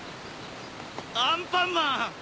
アンパンマン！